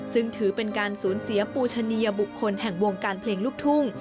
ซึ่งถือเป็นการสูญเสียปูชะเนียบุคคลแห่งวงการเพลงลูกทุ่ง